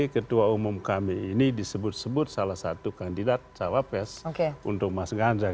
ketua umum kami ini disebut sebut salah satu kandidat cawapres untuk mas ganjar